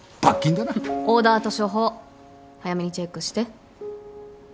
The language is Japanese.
オーダーと処方早めにチェックして。